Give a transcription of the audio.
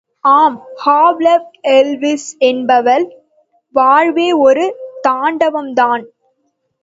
ஆம், Havelock Ellis என்பவன், வாழ்வே ஒரு தாண்டவம்தான்!